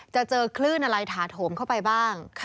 เจอคลื่นอะไรถาโถมเข้าไปบ้าง